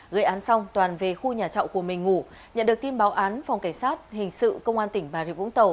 gây án xong toàn về khu nhà trọ của mình ngủ nhận được tin báo án phòng cảnh sát hình sự công an tỉnh bà rịa vũng tàu